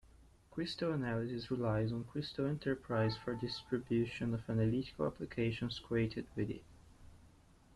Crystal Analysis relies on Crystal Enterprise for distribution of analytical applications created with it.